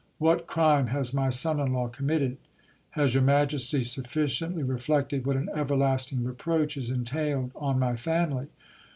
What crime has my son in law committed? Has your majesty sufficiently reflected what an everlasting reproach is entailed on my family